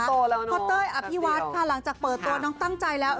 พ่อเต้ยอภิวัฒน์ค่ะหลังจากเปิดตัวน้องตั้งใจแล้ว